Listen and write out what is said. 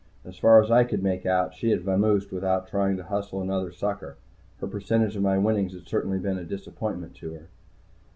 As far as I could make out, she had vamoosed without trying to hustle another sucker. Her percentage of my winnings had certainly been a disappointment to her.